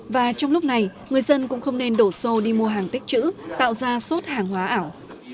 và trong lúc này người dân cũng không nên đổ xô đi mua hàng tích chữ tạo ra sốt hàng hóa ảo